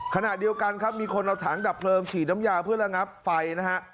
ขณะเดียวกันครับมีคนเอาถังดับเพลิงฉีดน้ำยาเพื่อระงับไฟนะฮะ